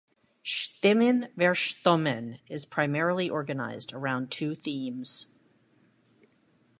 "Stimmen... Verstummen..." is primarily organized around two themes.